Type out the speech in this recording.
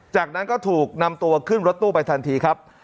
จากนั้นก็ถูกนำตัวขึ้นรถตู้ไปทันทีครับ